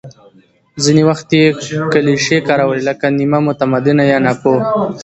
ځینې وخت یې کلیشې کارولې، لکه «نیمه متمدنه» یا «ناپوه».